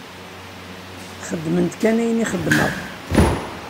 Xedmemt kan ayen i xedmeɣ!